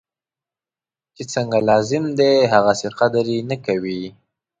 چی څنګه لازم دی هغسې قدر یې نه کوي.